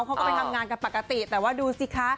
เขาก็ไปทำงานกันปกติแต่ว่าดูสิคะ